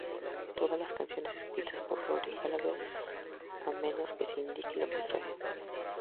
Todas las canciones escritas por Rory Gallagher, a menos que se indique lo contrario.